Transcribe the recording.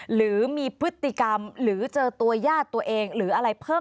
หรือมีพฤติกรรมหรือเจอตัวญาติตัวเองหรืออะไรเพิ่ม